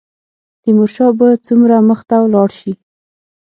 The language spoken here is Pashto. تیمورشاه به څومره مخته ولاړ شي.